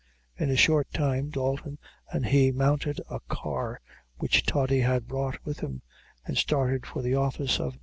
In a short time Dalton and he mounted a car which Toddy had brought with him, and started for the office of Mr. Travers.